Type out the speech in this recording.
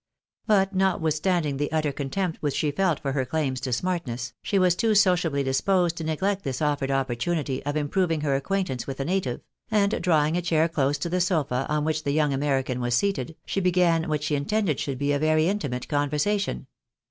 But notwithstanding the utter contempt which she felt for her claims to smartness, she was too sociably disposed to neglect this offered opportunity of improving her acquaintance with a native, and drawing a chair close to the sofa on which the young American was seated, she began what she intended should be a very intimate conversation.